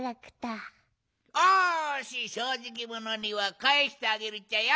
しょうじきものにはかえしてあげるっちゃよ。